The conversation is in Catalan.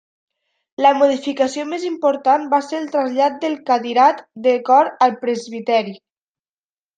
La modificació més important va ser el trasllat del cadirat de cor al presbiteri.